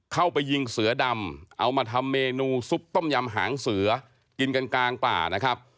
เข้าไปยิงเสือดำเอามาทำเมนูซุปต้มยำหางเสือกินกันกลางป่านะครับ